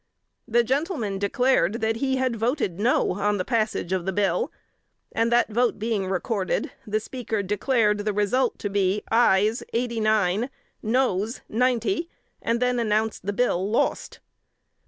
That gentleman declared that he had voted no, on the passage of the bill, and the vote being recorded, the Speaker declared the result to be "ayes eighty nine, noes NINETY," and then announced the bill "lost!"